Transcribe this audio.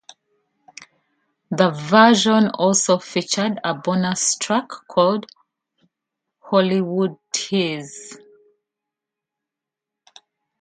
This version also featured a bonus track called "Hollywood Teaze".